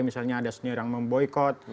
misalnya ada senior yang memboykot